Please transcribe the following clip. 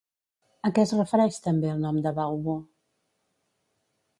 A què es refereix també el nom de Baubo?